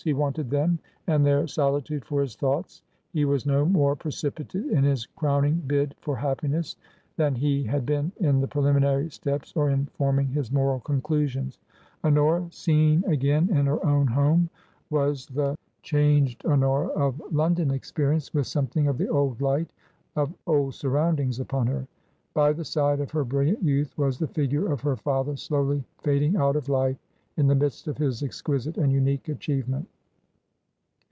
He wanted them and their solitude for his thoughts. He was no more precipitate in his crowning bid for happiness than he had been in the preliminary steps, or in forming his moral conclusions. Honora, seen again in her own home, was the changed 320 TRANSITION. Honora of London experience, with something of the old light of old surroundings upon her. By the side of her brilliant youth was the figure of her iather slowly &ding out of life in the midst of his exquisite and unique achievement.